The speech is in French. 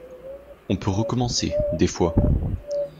On peut recommencer, des fois!